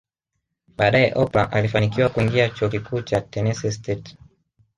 Baadae Oprah alifanikiwa kuingia chuo kikuu cha Tenesse State